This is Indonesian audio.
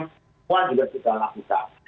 semua juga kita lakukan